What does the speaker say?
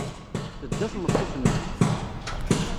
Tedda tmeṭṭut-nnek.